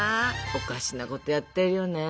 おかしなことやってるよね。